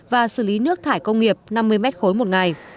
và xử lý nước thải công nghiệp năm mươi m ba một ngày